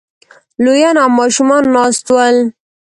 لويان او ماشومان ناست ول